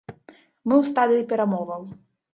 Мы ў стадыі перамоваў.